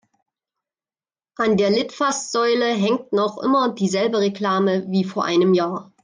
An der Litfaßsäule hängt noch immer dieselbe Reklame wie vor einem Jahr.